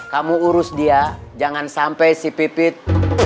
kamu urus dia jangan sampai si pipit